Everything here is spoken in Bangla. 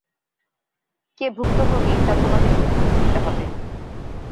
কে ভুক্তভোগী তা তোমাদের সিদ্ধান্ত নিতে হবে।